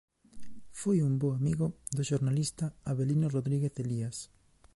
Foi un bo amigo do xornalista Avelino Rodríguez Elías.